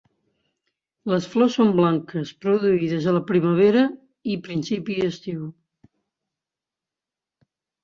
Les flors són blanques produïdes a la primavera i principi d'estiu.